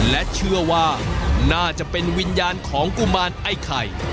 และเชื่อว่าน่าจะเป็นวิญญาณของกุมารไอ้ไข่